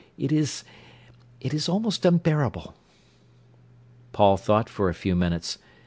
It is—it is almost unbearable." Paul thought for a few minutes.